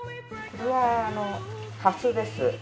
これはハスです。